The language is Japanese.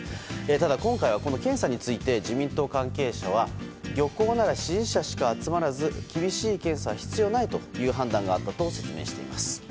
ただ、今回は検査について自民党関係者は漁港なら支持者しか集まらず厳しい検査は必要ないという判断があったと説明しています。